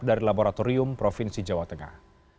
dari laboratorium provinsi jawa tengah